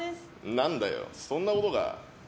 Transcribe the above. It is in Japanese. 何だよ、そんなことか。